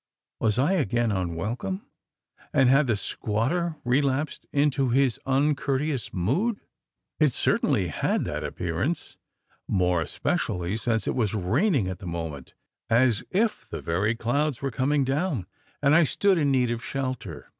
Was I again unwelcome? and had the squatter relapsed into his uncourteous mood?" It certainly had that appearance: more especially, since it was raining at the moment as if the very clouds were coming down and I stood in need of shelter.